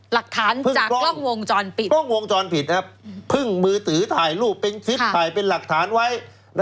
หลักฐานจากกล้องวงจรผิดพึ่งมือถือถ่ายรูปเป็นคิดถ่ายเป็นหลักฐานไว้